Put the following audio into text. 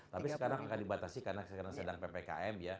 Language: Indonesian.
tapi sekarang akan dibatasi karena sekarang sedang ppkm ya